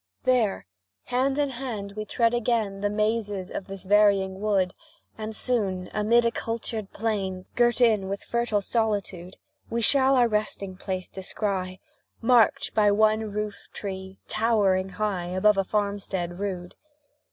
There hand in hand we tread again The mazes of this varying wood, And soon, amid a cultured plain, Girt in with fertile solitude, We shall our resting place descry, Marked by one roof tree, towering high Above a farmstead rude.